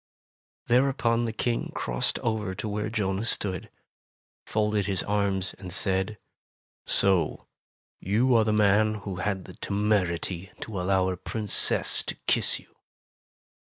Thereupon the King crossed over to where Jonah stood, folded his arms and 68 Tales of Modern Germany said: ''So you are the man who had the temerity to allow a Princess to kiss you!"